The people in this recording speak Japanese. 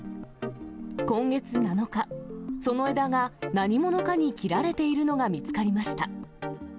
今月７日、その枝が何者かに切られているのが見つかりました。